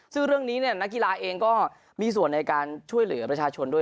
ซึ่งเรื่องนี้นักกีฬาเองก็มีส่วนในการช่วยเหลือประชาชนด้วย